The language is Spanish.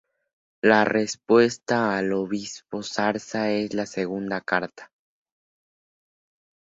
La respuesta al obispo Zarza es la segunda carta.